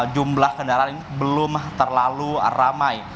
jumlah kendaraan ini belum terlalu ramai